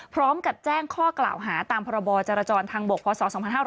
พร้อมกับแจ้งข้อกล่าวหาตามพศ๒๕๒๒